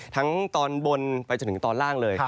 ตอนบนไปจนถึงตอนล่างเลย